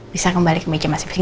bisa kembali ke meja mas fikir